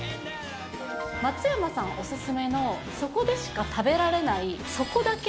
松山さんお勧めの、そこでしか食べられない、そこだけ